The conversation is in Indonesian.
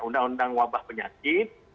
undang undang wabah penyakit